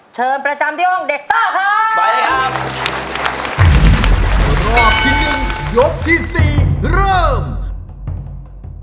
เชิญประจำที่ห้องเด็กซ่อค่ะไปเลยครับ